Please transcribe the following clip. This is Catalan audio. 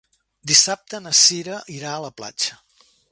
Dissabte na Cira irà a la platja.